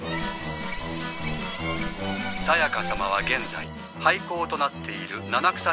さやか様は現在廃校となっている七草